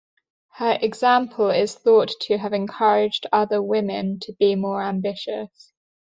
Her example is thought to have encouraged other women to be more ambitious.